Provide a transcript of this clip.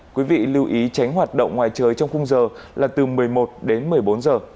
quý vị lưu ý tránh hoạt động ngoài trời trong khung giờ là từ một mươi một đến một mươi bốn giờ